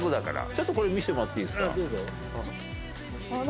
ちょっとこれ見せてもらっていいですか？